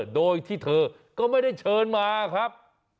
โดยที่เธอก็ไม่ได้เชิญมาครับ